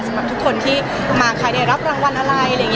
สำหรับทุกคนที่มาใครได้รับรางวัลอะไร